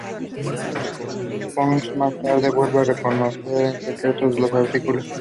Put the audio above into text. Puck más tarde vuelve a recoger en secreto los artículos.